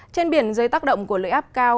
trên biển dưới tác động của lưỡi áp cao